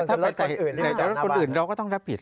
ถ้าหล่นใจรถคนอื่นเราก็ต้องรับผิด